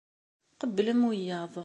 Qebblem wiyaḍ.